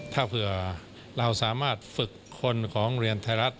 ถ้าเผื่อเราสามารถฝึกคนของเรียนไทยรัฐ